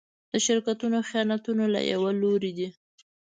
د شرکتونو خیانتونه له يوه لوري دي.